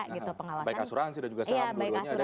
baik asuransi dan juga saham